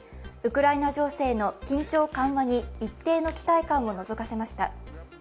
ウクライナ情勢の緊張緩和に一定の期待感をのぞかせました。